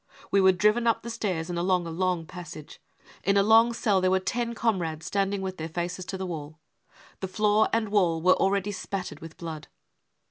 We were driven up the stairs and along a long passage. In a long cell there were ten comrades standing with their faces to the wall. The floor and wall was already spattered with blood.